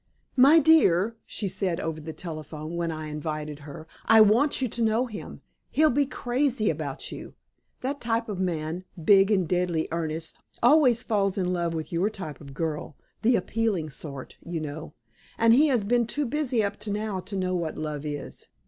"My dear," she said over the telephone, when I invited her, "I want you to know him. He'll be crazy about you. That type of man, big and deadly earnest, always falls in love with your type of girl, the appealing sort, you know. And he has been too busy, up to now, to know what love is.